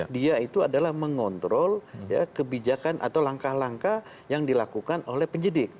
dia itu adalah mengontrol kebijakan atau langkah langkah yang dilakukan oleh penyidik